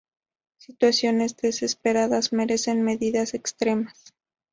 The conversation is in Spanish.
Situaciones desesperadas merecen medidas extremas.